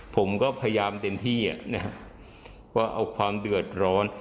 ผมก็พยายามเต็มที่ว่าเอาความเดือดร้อน